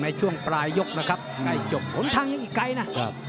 ในช่วงปลายยยกนะครับ